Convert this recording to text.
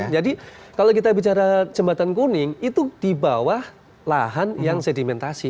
jadi kalau kita bicara jembatan kuning itu di bawah lahan yang sedimentasi